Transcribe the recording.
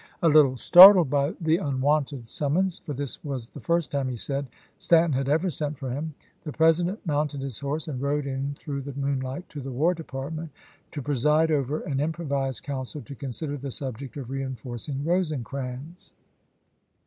A little startled by the unwonted sum mons,— for this was "the first time" he said, " Stan ton had ever sent for him," — the President mounted his horse and rode in through the moonlight to the War Department to preside over an improvised council to consider the subject of reenforcing Eosecrans.